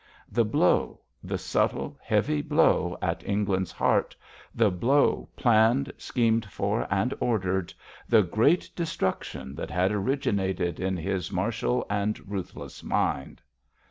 The blow, the subtle, heavy blow at England's heart—the blow planned, schemed for, and ordered; the great destruction that had originated in his martial and ruthless mind.